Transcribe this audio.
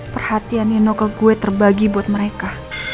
perhatian nino ke gue terbagi buat mereka